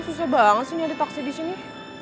susah banget sih nyari taksi disini